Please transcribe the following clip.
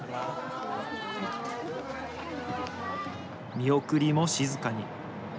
見送りも静かに。